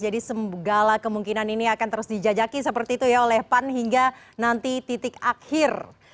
jadi semoga lah kemungkinan ini akan terus dijajaki seperti itu ya oleh pan hingga nanti titik akhir